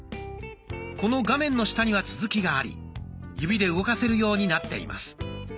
この画面の下には続きがあり指で動かせるようになっています。